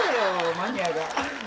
マニアが。